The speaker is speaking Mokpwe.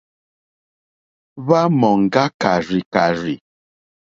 Hwá mɔ̀ŋgá kàrzìkàrzì.